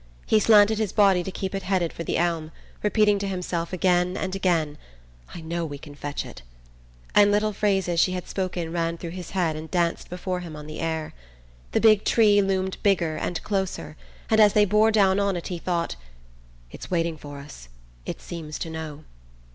He slanted his body to keep it headed for the elm, repeating to himself again and again: "I know we can fetch it"; and little phrases she had spoken ran through his head and danced before him on the air. The big tree loomed bigger and closer, and as they bore down on it he thought: "It's waiting for us: it seems to know."